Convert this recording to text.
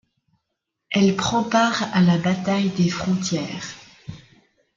Elle prend part à la bataille des Frontières.